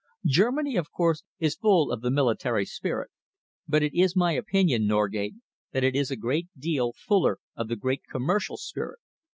Germany, of course, is full of the military spirit, but it is my opinion, Norgate, that it is a great deal fuller of the great commercial spirit.